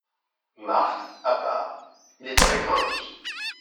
Marthe à part. — Il est à la grinche.